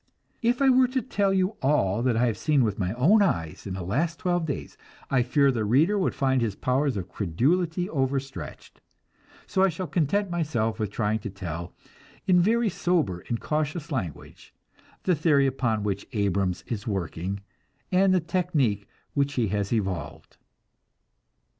If I were to tell all that I have seen with my own eyes in the last twelve days, I fear the reader would find his powers of credulity overstretched, so I shall content myself with trying to tell, in very sober and cautious language, the theory upon which Abrams is working, and the technic which he has evolved.